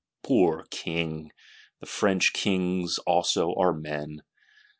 Poor King; for French Kings also are men!